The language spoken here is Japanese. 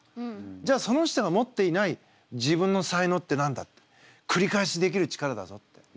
じゃあその人が持っていない自分の才能って何だ？ってくり返しできる力だぞって。